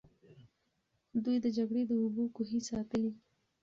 دوی د جګړې د اوبو کوهي ساتلې.